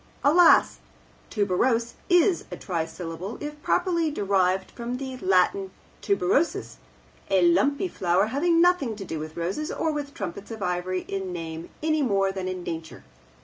Alas! tuberose is a trisyllable if properly derived from the Latin tuberosus, the lumpy flower, having nothing to do with roses or with trumpets of ivory in name any more than in nature.